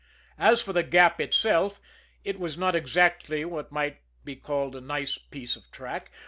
As for The Gap itself, it was not exactly what might be called a nice piece of track.